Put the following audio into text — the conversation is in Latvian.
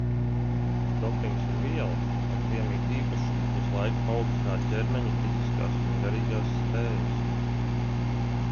Dopings ir viela, kam piemīt īpašība uz laiku paaugstināt ķermeņa fiziskās un garīgās spējas.